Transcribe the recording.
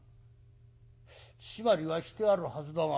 締まりはしてあるはずだが」。